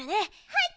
はい！